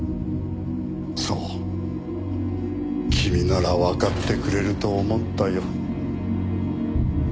そう君ならわかってくれると思ったよ。